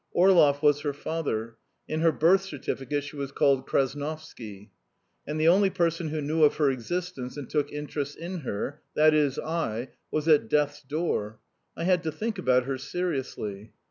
Orlov was her father; in her birth certificate she was called Krasnovsky, and the only person who knew of her existence, and took interest in her that is, I was at death's door. I had to think about her seriously.